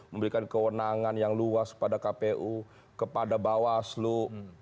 memberikan kewenangan yang luas kepada kpu kepada bawasut